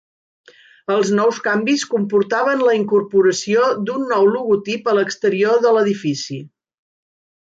Els nous canvis comportaven la incorporació d'un nou logotip a l'exterior de l'edifici.